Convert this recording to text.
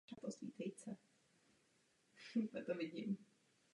K jižní zdi kaple je přistavěna předsíň obdélného půdorysu.